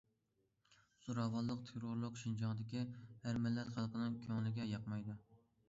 زوراۋانلىق، تېررورلۇق شىنجاڭدىكى ھەر مىللەت خەلقنىڭ كۆڭلىگە ياقمايدۇ.